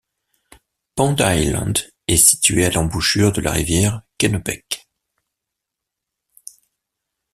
Pond Island est situé à l'embouchure de la rivière Kennebec.